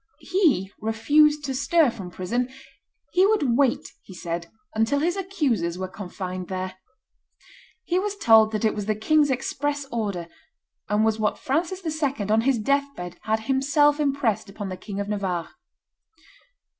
He refused to stir from prison; he would wait, he said, until his accusers were confined there. He was told that it was the king's express order, and was what Francis II. on his death bed had himself impressed upon the King of Navarre.